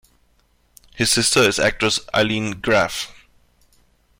His sister is actress Ilene Graff.